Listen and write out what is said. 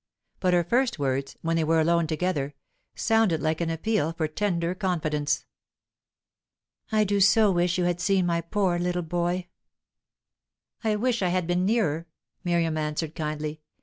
But her first words, when they were alone together, sounded like an appeal for tender confidence. "I do so wish you had seen my poor little boy!" "I wish I had been nearer," Miriam answered kindly.